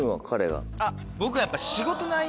僕はやっぱ。